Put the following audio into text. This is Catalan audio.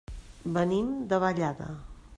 Venim de Vallada.